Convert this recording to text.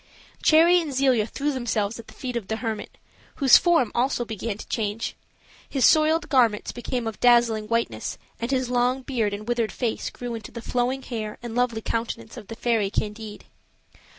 Cherry and Zelia threw themselves at the feet of the hermit, whose form also began to change. His soiled garments became of dazzling whiteness, and his long beard and withered face grew into the flowing hair and lovely countenance of the fairy Candide.